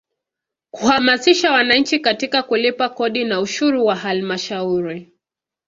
Kuhamasisha wananchi katika kulipa kodi na ushuru wa Halmashauri.